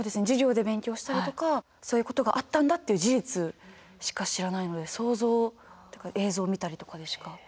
授業で勉強したりとかそういうことがあったんだっていう事実しか知らないので想像とか映像を見たりとかでしか。